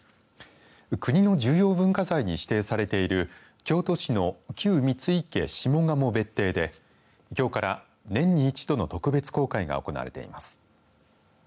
国の重要文化財に指定されている京都市の旧三井家下鴨別邸できょうから年に一度の特別公開が行われています。